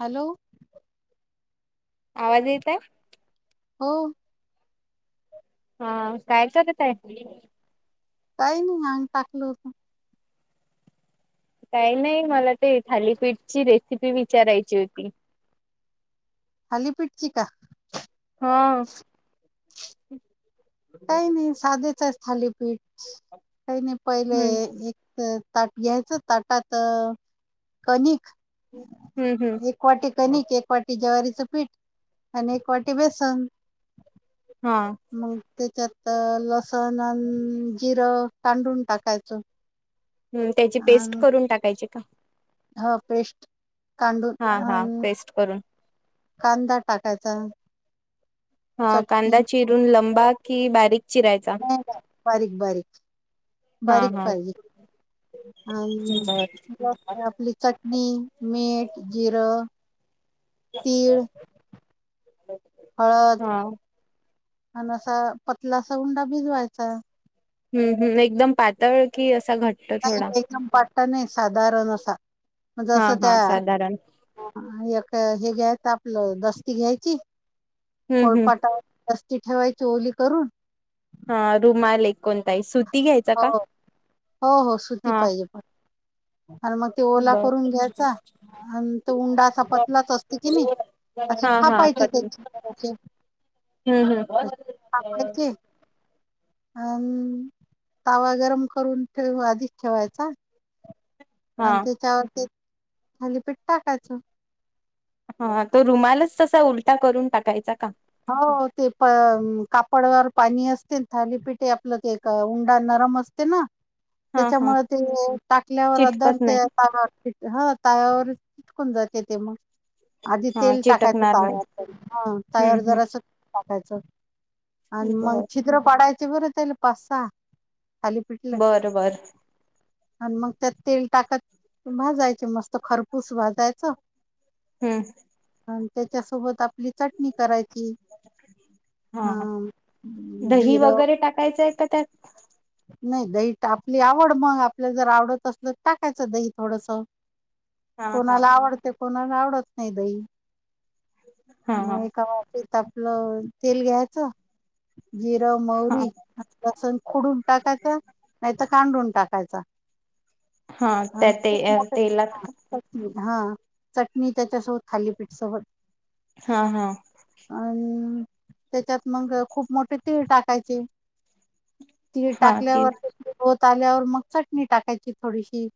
Hello. आवाज येत आहे. हो. हा काय करत आहे? काही नाही अंग टाकलं होतं. काही नाही मला ते थालीपीठची रेसिपी विचारायची होती? थाली पीटची का? हा. काही नाही साधेच आहेत थालीपीठ. काही नाही पहिले हम्म एक तर ताट घ्यायचं ताटात कणिक हम्म हम्म एक वाटी कनिक. एक वाटी ज्वारीचं पीठ. आणि एक वाटी बेसन. हा मग ते त्यात लसण अन जिरं कांढून टाकायचं. हम्म त्याची पेस्ट आणि करून टाकायची का. ह फेस्ट कांडून हा हा अ. पेस्ट करून कांदा टाकायचा. हा कांदा चटणी चिरून लंबा कि बारीक चिरायचा बारीक-बारीक. हा बारीक हा पाहिजे अ बर. आपली चटनी. टनी मीठ. जिर. तीळ. हळद हा आणि असा पतला अस उंडा भिजवायचा. हम्म हम् एकदम पातळ कि असा घट्ट थोडा? नाही एकदम पातळ नाही साधारण असा हा म्हणजं हा त्या साधारण एक हे घ्या. आपलं दस्ती घ्यायची हम्म हम्म पोळपाटावर ठेवायची ओली करून. हा रुमाल. घ्यायचा हो का? हो हो सुती हा पाहिजे पण. आणि मग ते ओला बर करून घ्यायचा. आणि तो उंडा असा पतलाच असतो कि नाही. असे हा हा थापायचे कट त्याचे हम्म हम. अ तावा गरम करून ठेव आधी ठेवायचा. हा आणि तेच्यावरती थालीपिठ टाकायचं. हा तो रुमालच तसा उलटा करून टाकायचा का? हो ते प कापडवर पाणी असते. थालीपिठे आपलं ते उंडाणार. आरम असते ना. हा हा त्याच्यामुळे ते टाकल्यावर चिटकत नाही दरते ताव्यावर ह ताव्यावर. चटकून जाते ते मग. आधी हा तेल टाकायचं चिटकणार तवा नाही हम्म वर. हम्म जरासाच टाकायच. आणि मग बर छिद्र पडायचं. बर त्याला पाच- सहा. थालीपीठले बर. बर. आणि मग त्यात तेल टाकत भाजायचे मस्त. खरपूस भाजायचं. हम्म आणि त्याच्यासोबत आपली चटणी करा. हम तीथ. हा हा दही वगैरे टाकायचंय का त्यात नाही दही आपली आवड मग. आपल्या जर आवडत असल तर टाकायचं दही थोडस. हा हा कोणाला आवडते. कोणाला आवडत नाही दही. हा मग एका वाटीत आपलं तेल घ्यायचं. जिरं हा मौरी लसुण खुडून टाकायचं. नाहीतर कांडून टाकायच. हा त्या ते अ, ठ तेलात का हा [unintelligible] चटणी त्याच्यासोबत थालीपीठ सोबत. हा हा. अ त्याच्यात मग खूप मोठी तीळ टाकायची. ती हा ती टाकल्यावर होत आल्यावर मग चटणी टाकायची थोडीशी.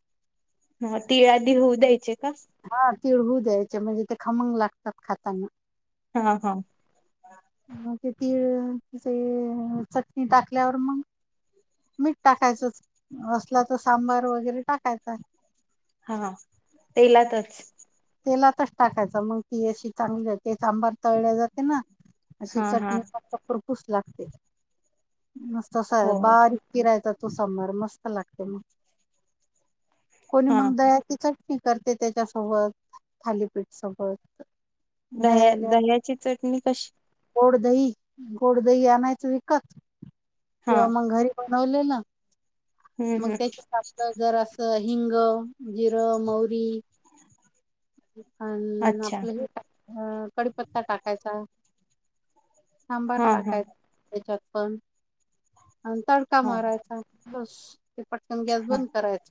हो तीळ आधी होऊ द्यायचे का? हा तीळ होऊ द्यायचे म्हणजे ते खामंग लागतात खाताना हा हा. ग ते तीळ चे चटणी टाकल्यावर मग. मीठ टाकायचंच. असला तर सांबार वगैरे टाकायचा. हा तेलातच? तेलातच टाकायचा. मग ती अशी चांगली सांबर तळल्या जाते ना. अशी हा हा चटणी म खरफूस लागते. मस्तस अस हो बारीक चिरायच तो सांबार मस्त लागते मग. कोणी हा मग दह्याची चटणी करते त्याच्यासोबत. थालीपीठ सोबत. दह्या दह्याला दह्याची चटणी कशी? गोड दही. गोड दही आणायचं विकत. हा किंवा मग घरी बनवलेलं. हम्म मग हम्म त्याच्या आपलं जर असं हिंग, जिरं, मौरी. अ अच्छा आपलं हे कडीपत्ता टाकायचा. सांबार हा हा टाकायच त्याच्यात पण. आणि तडका हा मारायचा बस ते पटकन गॅस बंद करायचा.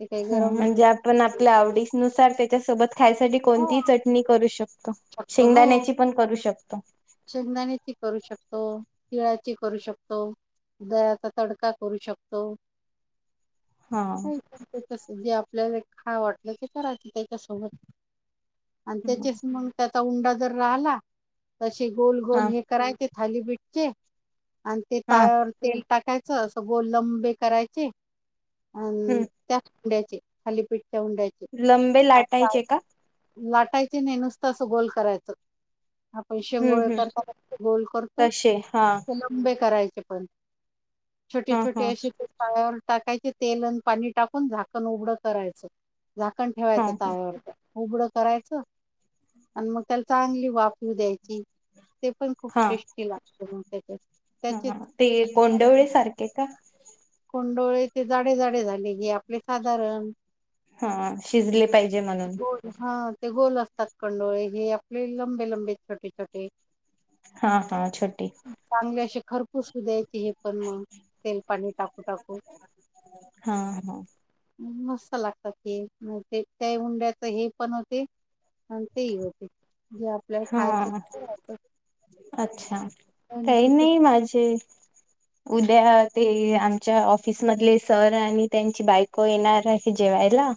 ते काही ह गरम म्हणजे आपण आपल्या आवडी नुसार. त्याच्यासोबत खायसाठी हो कोणतीही चटणी करू शकतो. शकतो हो शेंगदाण्याची पण करू शकतो. शेंगदाण्याची करू शकतो. तिळाची करू शकतो. दह्या चा तडका करू शकतो. हा आपल्याला खाऊ वाटलं ते करायचं त्याच्यासोबत आणि त्याचेच मग त्यात. ता उंडा जर राहिला तसे गोल, -गोल हा हे करायचे थालीपीठचे. आणि ते हा ताव्यावर तेल टाकायचं अस गोललंंबे करायचे. अं हम्म त्याच हुंड्याचे. खालीपीठच्या हुंड्याचे. लंबे लाटायचे का लाटायची नाही नुसतं असं गोल करायचं. पण हम्म शिंगोळे हम्म करता गोल करतो. तसे हा लंबे करायचे पण. हा छोटी-छोटी हा अशी ते पाय टाकायचे तेल आणि पाणी टाकून झाकण उघडं करायचं झाकण हा ठेवायचं हा तव्यावर उघडं करायचं आणि मग त्याला चांगली वाफ येऊ द्यायची. ते पण खूप हा टेष्टी लागत. हा ते गोंडवळे सारखे का? गोंडोळे ते जाडे-जाडे झाले की आपले साधारण हां शिजली पाहिजे म्हणून गोल हा ते गोल असतात कंडोळे हे आपले लंबे-लंबे, छोटे-छोटे हा. फार छोटे. असे खरपूस हू द्यायची हे पण मग तेल पाणी टाक हा, हा. मस्त लागतात ते मग ते त्या एका हंड्यात हे पण होतय आणि ते ही होते जे आपल्याला हा खायचं अच्छा! काही पैकी नाही माझे उद्या ते आमच्या ऑफिस मधले सर आणि त्यांची बायको येणार आहे जेवायला. ह.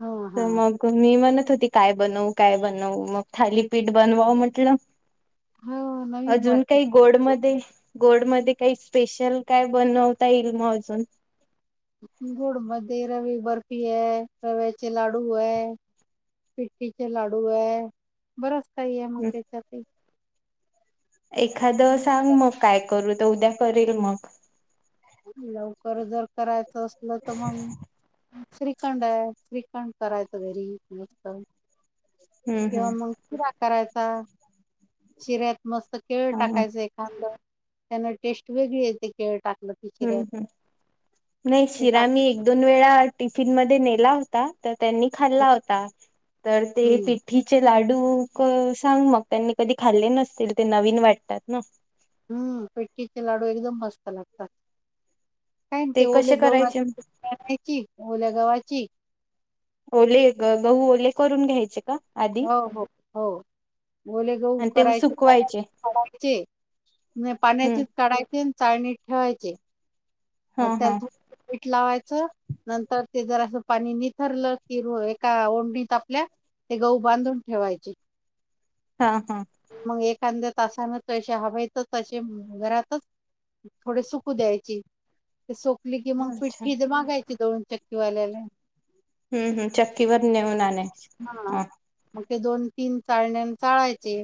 हा हा हो मग मी मण होती काय बनवू, काय बनवू मग थालीपीठ बनवाव म्हटलं. हो नवीन अजून वाटते काही गोड मध्ये? गोड मध्ये काही स्पेशल काय बनवता येईल मग अजून गोड मध्ये रवी बर्फी, आहे रव्याचे लाडू आहे. पिठठीचे लाडू आहे बरच काही आहे मग हम्म त्याच्यात एखादं सांग मग काय करू तर उद्या करेल मग. लवकर जर करायचं असलं तर मग. श्रीखंड आहे. श्रीखंड करायचं घरी मस्त. हम्म किंवा मग शिरा करायचा, शिऱ्यात. मस्त केळ हम्म ह. टाकायच एखाद. त्याना टेस्ट वेगळी येते केळ टाकाल. हम्म ह. नाही ते शिरा मी टाकायचं एक-दोन वेळा टिफिन मध्ये ने दिला होता. तर त्यांनी खाल्ला होता. तर ते हम्म पीठचे लाडू डूक सांग मग. त्यांनी कधी खाल्ले नसतील. ते नवीन वाटतात ना. हम्म पीठीचे लाडू एकदम मस्त लागतात. काय ना ते कसे ओलं गहू करायचे राहतात ते आणायची. ओल्या गव्हाची ओल्या गावाची. ओले गहू ओले करून घ्यायचे का? आधी? हो. हो. हो ओले गहुं आणि ते करायचे कय सुकवायचे पढायचे. हम्म पाण्याचे काढायचे चाळणी ठेवायचे. हा त्याला हा थोडे लावायचं. नंतर ते जर असं पाणी निथरलं की. एका ओंडीत आपल्या. ते गहू बांधून ठेवायचे. हा हा. अर्ध्या तासान. तशे हवे हायत. असे घरातच थोडे सुकू द्यायचे. ते सोकली की मग अच्छा पिठ्ठी तर मागायची दळून चक्कीवाल्याला. हम. हम् चक्कीवरर नेऊन आणाय. हा मग ते दोन-तीन चाळण्या चाळायचे.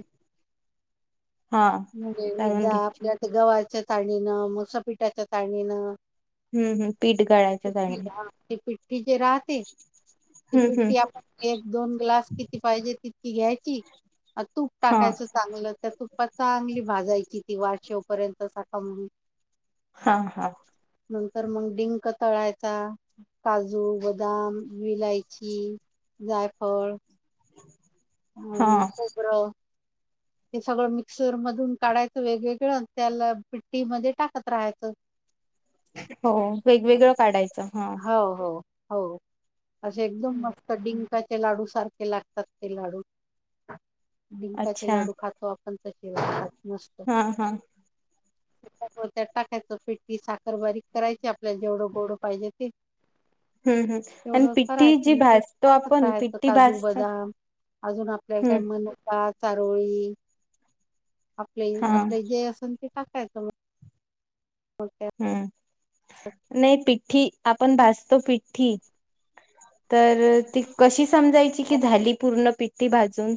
हा म्हणजे तळून एकदा घे आपल्यात गव्हाच्या चाळणीन मुसपिटाच्या चाळणीन. हम् हम्म ते. पिठ्ठी- पिठ्ठी जे राहते. ती हम्म हम्म पिट्टी आपण एक दोन ग्लास किती पाहिजे तितकी. ती घ्यायची, अ तूप हा टाकायचं चांगलं त्या तूप चांगली भाजायची ती वास येऊ पर्यंत [unintelligible] हा हा. नंतर मग डिंक तळायचा. काजू, बदाम, विलायची, जायफळ. ह हा खोबरं. ते सगळं मिक्सर मधून काढायचं वेगवेगळं त्याला पिट्टी मध्ये टाकत राहायचं. हो वेगवेगळं काढाय हो हो हो. असे एकदम मस्त डिंकाचे लाडू सारखे लागतात ते लाडू. डिंकाचे अच्छा लाडू खातो आपण तसे लागतात मस्त. हा हा [unintelligible] त्यात टाकायचं पिट्टी साखर बारीक करायची, आपल्याला जेवढं गोड पाहिजे ती हम्म हम्म आणि तेवढं पिठी करायचं, जी मग ते भाजतो टाकत आपण राहायचं पिठी काजू, भाजतो बदाम. अजून आपल्या काय हम्म मनुका चारोळी आपले हा आपले जे असल ते टाकायचं म. हम्म, नाही पिठ्ठी आपण भाजतो पिठ्ठी. तर ती कशी समजायची की झाली पूर्ण पिठ्ठी भाजून? [inaudible]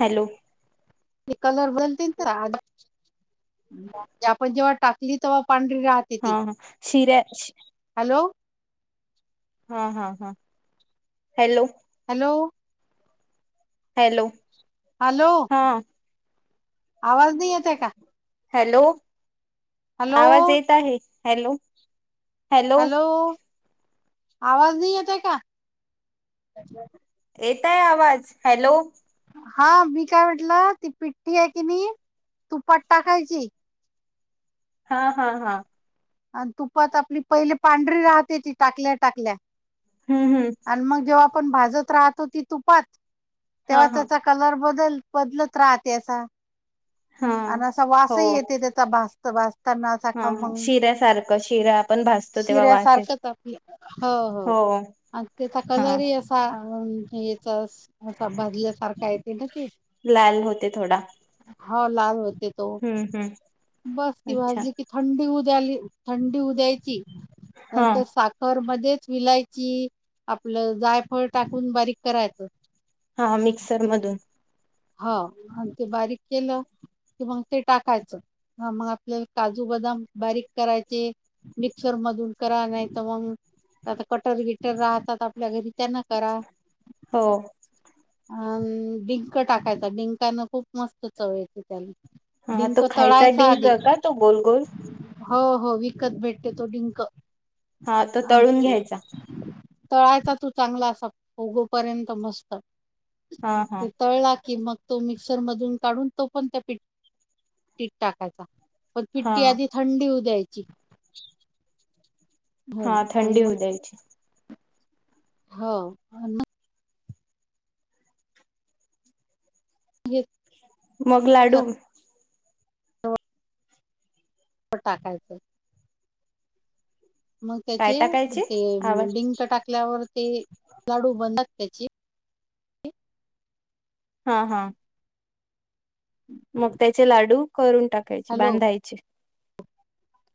हॅलो! ते कलर बनतील ना, जे आपण जेव्हा टाकली तेव्हा पां री राहते ती, हा हा शिऱ्या हॅलो! हा हा हा, हॅलो! हॅलो! हॅलो. हॅलो. हा आवाज नाही येते हे का.? हॅलो हॅलो आवाज येत आहे हॅलो. हॅलो आवाज नाही येत का.? येतय आवाज हॅलो. हा मी काय म्हटलं ती पिठ्ठी आहे की नाही. तूपात टाकायची. हा हा हा. आणि तुपात आपली पहिली पांढरी राहते, ती टाकल्या टाकल्या. हम्म हम्म आणि मग जेव्हा आपण भाजत राहतो तुपात हा तेव्हा हा त्याचा कलर बघ. बल बदलत राहते हा आणि असा. हो वासही येते त्याचा भास. त भाजताना असा हा हा खमंग. शिऱ्यासारखं शिरा आपण भासतो तेव्हा वास येत शिऱ्यासारखच आपल हो हो. अन तेचा हा कलरही असा. अं याचा अस असा भाजल्यासारखा येते ना ते. लाल होते थोडा हो लाल होते तो. हम्म हम्म बस ती अच्छा वाजली की थंडी झाली थंडी उद्यायची हा नंतर साखर म तेच ईलायची. आपलं जायफळ टाकून. बारीक करायचं. हा मिक्सर मधून हो आणि ते बारीक केलं कि मग ते टाकायचं. हा मग आपल्याला काजू, बदाम, बारीक करायचे. मिक्सर मधून करा नाही तर मग आता कटर विटर राहतात, आपल्या घरी त्यांना करा. हो अं डिंक टाकायचा, डिंकान खूप मस्त चव येते त्याला. हा तो डिंक खायचा तळायचा डिंक आधी का तो गोल गोल हो. हो विकत भेटते तो डिंक. हा तो आणि तळून ते घ्यायचा? तळायचा तू चांगला असा, फुगो पर्यंत मस्त हा हा ते तळला कि मग तो मिक्सर मधून काढून. तो पण त्या पीठात टाकायचा. पन हा पिठी आधी थंडी होऊ द्यायची. हो हा आणि थंडी होऊ मग द्यायची. हो अन ये. मग लाडू तो टाकायचं. मग काय त्याचे टाकायचे ते आवाज डिंक टाकल्यावर ते लाडू बनतात त्याचे. हा हा. मग त्याचे लाडू करून टाकायचे. हॅलो बांधायचे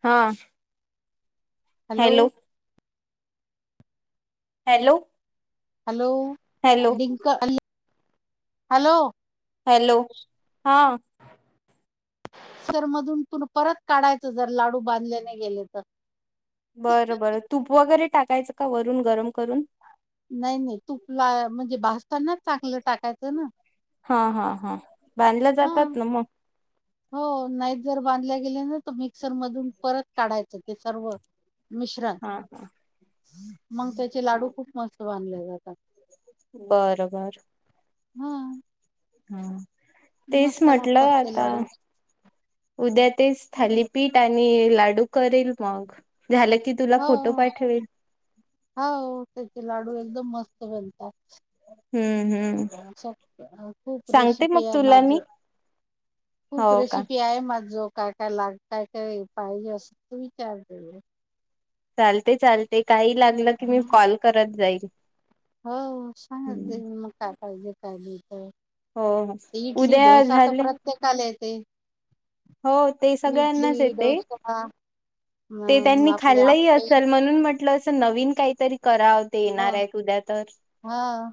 हा. हॅलो. हॅलो. हॅलो हॅलो डिंक टाकली हॅलो. हॅलो हा. सर मधून तून परत काढायचं. जर लाडू बांधले नाय गेले तर. टाकायच का वरून गरम करून? नाई-नाई तूपला म्हणजे भासताना चांगलं टाक हा, हा, हा बांधल्या हा जातात ना मग. हो नाहीच जर बांधल्या गेल्या ना तर मिक्सर मधून परत काढायचं ते सर्व. मिश्रण हा हा. मग त्याचे लाडू खूप मस्त बांधले जातात. बर बर. हूं. हम्म. तेच म्हटलं ते आता लाडू उद्या तेच थालीपीठ आनी णि लाडू करेल मग. झालं की तुला फोटो हो-हो पाठवेल त्याचे लाडू एकदम मस्त बनतात. हम्म. हम्म. अशा अ, खूप सांगते मग रेसिपी आहे तुला माझ मी. हो खूप का रेसिपी आहे माझो. काय-काय लागताय काय पाहिजे असल तू विचार के चालते-चालते काही लागलं की मी कॉल करत जाईन. हो सांग आधी मग काय पाहिजे काय नाही ते. हो हो इडली उद्या डोसा तर झाले प्रत्येकाला येते. हो ते सगळ्यांनाच इडली येते डोसा. ते त्यांनी अ आपले खाल्लही आप्पे असल म्हणून म्हट टल. ते नवीन काहीतरी कराव. ते येणार ह आहे उद्या तर, हा.